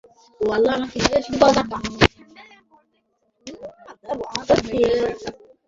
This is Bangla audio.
তখন তুমি জন্মের অতীত হইলে, সুতরাং মৃত্যুরও পারে উপনীত হইলে।